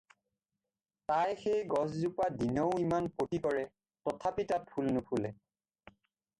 তাই সেই গছজোপা দিনৌ ইমান পতি কৰে, তথাপি তাত ফুল নুফুলে।